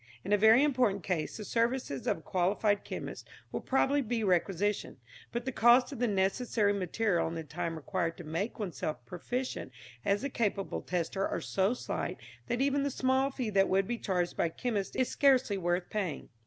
In a very important case the services of a qualified chemist will probably be requisitioned, but the cost of the necessary material and the time required to make oneself proficient as a capable tester are so slight that even the small fee that would be charged by a chemist is scarcely worth paying.